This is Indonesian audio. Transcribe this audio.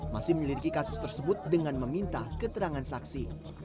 masih menyelidiki kasus tersebut dengan meminta keterangan saksi